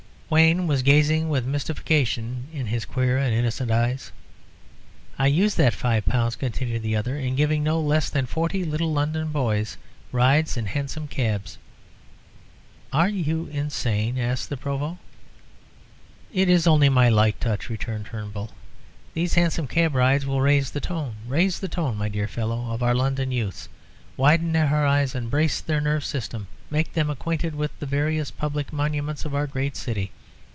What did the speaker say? Wayne was gazing with mystification in his queer and innocent eyes. "I used that five pounds," continued the other, "in giving no less than forty little London boys rides in hansom cabs." "Are you insane?" asked the Provost. "It is only my light touch," returned Turnbull. "These hansom cab rides will raise the tone raise the tone, my dear fellow of our London youths, widen their horizon, brace their nervous system, make them acquainted with the various public monuments of our great city.